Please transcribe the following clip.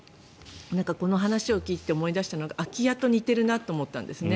この話を聞いて思い出したのが空き家と似ているなと思ったんですね。